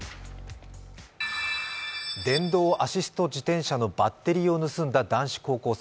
電動アシスト自転車のバッテリーを盗んだ男子高校生。